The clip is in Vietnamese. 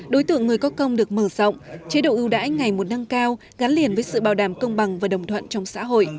đối tượng người có công được mở rộng chế độ ưu đãi ngày một nâng cao gắn liền với sự bảo đảm công bằng và đồng thuận trong xã hội